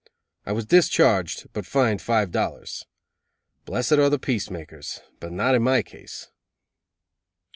I was discharged, but fined five dollars. Blessed are the peacemakers, but not in my case!